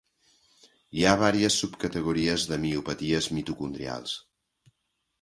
Hi ha vàries subcategories de miopaties mitocondrials.